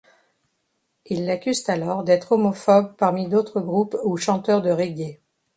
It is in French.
Ils l'accusent alors d'être homophobe parmi d'autre groupe ou chanteurs de Reggae.